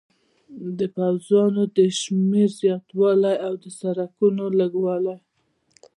د پوځیانو د شمېر زیاتوالی او د سړکونو لږوالی.